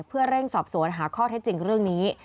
เพื่อเร่งสอบสวนหาข้อเท็จจริงเรื่องนี้